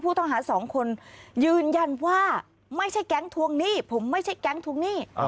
ผู้ต้องหา๒คนยืนยันว่าไม่ใช่แก๊งทุ่งหนี้ผมไม่ใช่แก๊งทุ่งหนี้